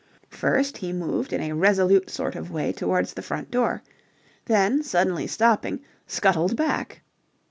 First, he moved in a resolute sort of way towards the front door; then, suddenly stopping, scuttled back.